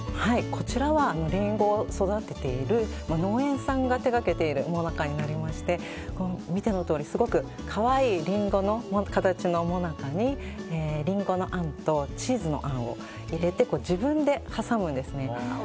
こちらはリンゴを育てている農園さんが手がけているモナカになりまして見てのとおりすごく可愛いリンゴの形のモナカにリンゴのあんとチーズのあんを入れて自分で挟むんですね。